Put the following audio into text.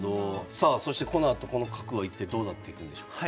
さあそしてこのあとこの角は一体どうなっていくんでしょうか。